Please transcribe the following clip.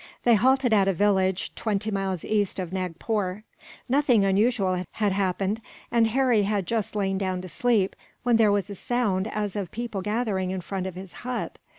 They halted at a village, twenty miles east of Nagpore. Nothing unusual had happened, and Harry had just lain down to sleep, when there was a sound as of people gathering in front of his hut.